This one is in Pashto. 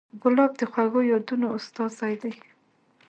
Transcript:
ګلاب د خوږو یادونو استازی دی.